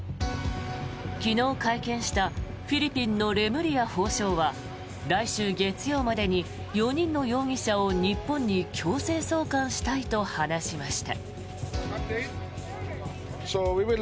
昨日会見したフィリピンのレムリヤ法相は来週月曜までに４人の容疑者を日本に強制送還したいと話しました。